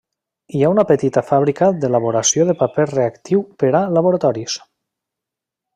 Hi ha una petita fàbrica d'elaboració de paper reactiu per a laboratoris.